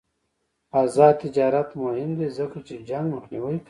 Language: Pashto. آزاد تجارت مهم دی ځکه چې جنګ مخنیوی کوي.